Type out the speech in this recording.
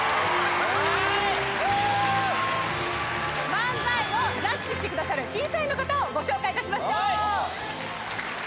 漫才をジャッジしてくださる審査員の方をご紹介いたしましょう。